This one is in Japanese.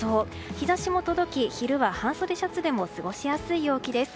日差しも届き昼は半袖シャツでも過ごしやすい陽気です。